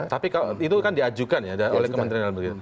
tapi itu kan diajukan ya oleh kementerian dalam negeri